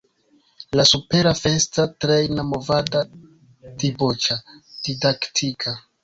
La supera festa, trejna, movada, diboĉa, didaktika